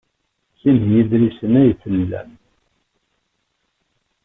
Sin n yidlisen ay tlam?